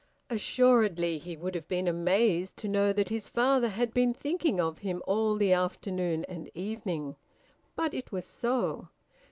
Assuredly he would have been amazed to know that his father had been thinking of him all the afternoon and evening. But it was so.